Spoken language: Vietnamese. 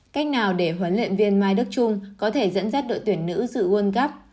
cách nào để huấn luyện viên mai đức trung có thể dẫn dắt đội tuyển nữ dự world cup